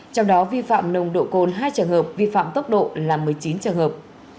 trong đó vi phạm nồng độ cồn hai trường hợp vi phạm tốc độ là một mươi chín trường hợp